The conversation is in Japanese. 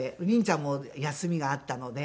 凛ちゃんも休みが合ったので。